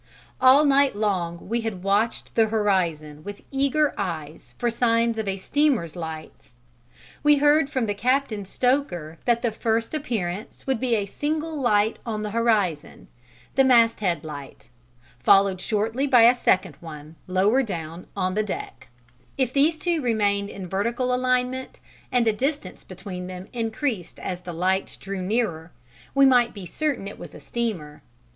All night long we had watched the horizon with eager eyes for signs of a steamer's lights; we heard from the captain stoker that the first appearance would be a single light on the horizon, the masthead light, followed shortly by a second one, lower down, on the deck; if these two remained in vertical alignment and the distance between them increased as the lights drew nearer, we might be certain it was a steamer.